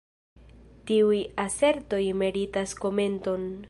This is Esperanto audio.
Tiuj asertoj meritas komenton.